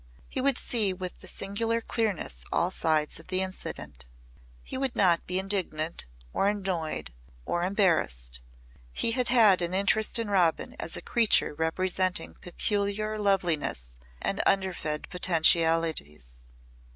He would see with singular clearness all sides of the incident. He would not be indignant, or annoyed or embarrassed. He had had an interest in Robin as a creature representing peculiar loveliness and undefended potentialities.